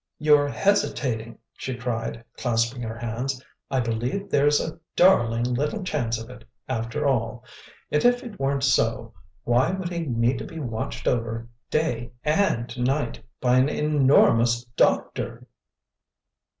"You're hesitating!" she cried, clasping her hands. "I believe there's a DARLING little chance of it, after all! And if it weren't so, why would he need to be watched over, day AND night, by an ENORMOUS doctor?"